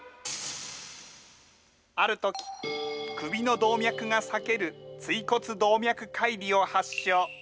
あるとき、首の動脈が裂ける、椎骨動脈解離を発症。